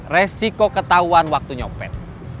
resiko ketahuan waktu nyopet